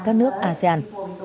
các nước asean